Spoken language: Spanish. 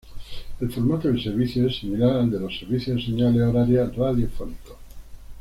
El formato del servicio es similar al de los servicios de señales horarias radiofónicos.